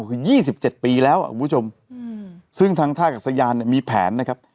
คือ๒๗ปีแล้วคุณผู้ชมซึ่งทางท่ากัศยานเนี่ยมีแผนนะครับ